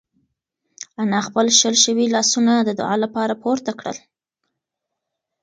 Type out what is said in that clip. انا خپل شل شوي لاسونه د دعا لپاره پورته کړل.